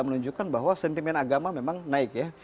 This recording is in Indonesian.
menunjukkan bahwa sentimen agama memang naik ya